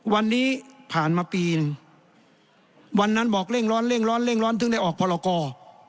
วันนี้ผ่านมาปีหนึ่งวันนั้นบอกเร่งร้อนเร่งร้อนเร่งร้อนถึงได้ออกพรกร